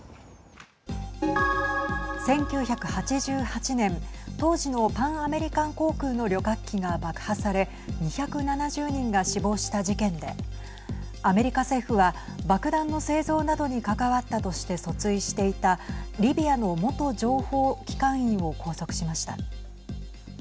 １９８８年当時のパンアメリカン航空の旅客機が爆破され２７０人が死亡した事件でアメリカ政府は爆弾の製造などに関わったとして訴追していたリビアの元情報機関員を拘束しました。